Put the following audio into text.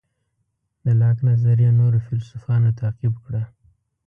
د لاک نظریه نورو فیلیسوفانو تعقیب کړه.